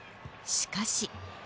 しかし。